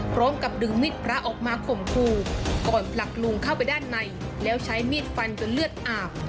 พร้อมกับดึงมิดพระออกมาข่มขู่ก่อนผลักลุงเข้าไปด้านในแล้วใช้มีดฟันจนเลือดอาบ